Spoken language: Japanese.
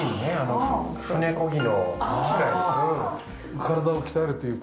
体を鍛えるというか。